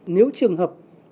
nếu trường hợp